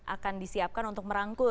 akan disiapkan untuk merangkul